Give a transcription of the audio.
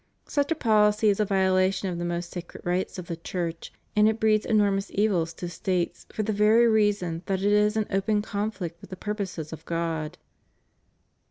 Such a policy is a violation of the most sacred rights of the Church, and it breeds enormous evils to States, for the very reason that it is in open conflict with the purposes of God.